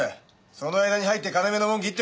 その間に入って金目のもんギってこい。